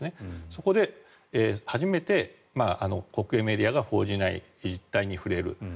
そこで初めて国営メディアが報じない実態に触れる。